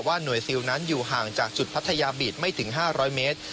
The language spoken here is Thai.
กระทั่งหน่วยซิลผมอยู่ห่างจากจุดพัทยาบีตไม่ถึง๕๐๐เมตร